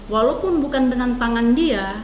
walaupun bukan dengan tangan dia